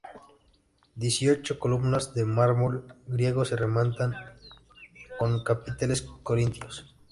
Dieciocho columnas de mármol griego se rematan con capiteles corintios.